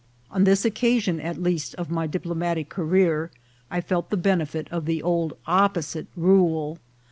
On this occasion at least of my diplomatic career I felt the ben efit of the old opposite rule.